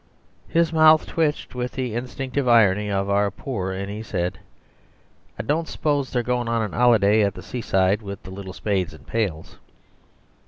His mouth twitched with the instinctive irony of our poor, and he said: "I don't s'pose they're goin' on an 'oliday at the seaside with little spades and pails."